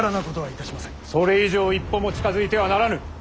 それ以上一歩も近づいてはならぬ。